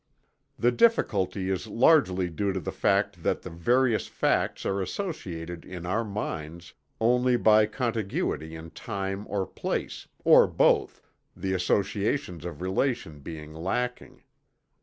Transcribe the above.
The difficulty is largely due to the fact that the various facts are associated in our minds only by contiguity in time or place, or both, the associations of relation being lacking.